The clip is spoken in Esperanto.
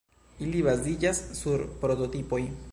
Ili baziĝas sur prototipoj.